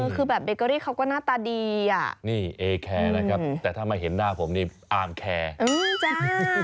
คือแบบเบเกอรี่เขาก็หน้าตาดีอ่ะนี่เอแคร์นะครับแต่ถ้ามาเห็นหน้าผมนี่อาร์มแคร์จ้ะ